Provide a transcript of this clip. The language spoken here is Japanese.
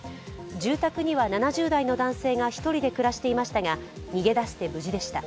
住宅には７０代の男性が１人で暮らしていましたが逃げ出して無事でした。